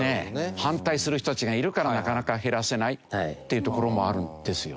反対する人たちがいるからなかなか減らせないっていうところもあるんですよね。